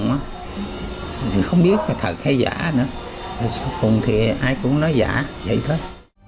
mình không biết là thật hay giả nữa cùng thì ai cũng nói giả vậy thôi